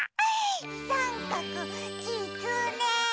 さんかくきつね！